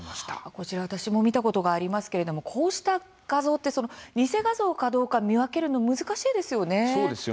こちら、私も見たことがありますけれどもこうした画像って偽画像なのかどうか見分けるの難しいですよね。